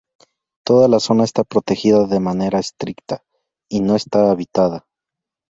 Toda la zona está protegida de manera estricta, y no está habitada.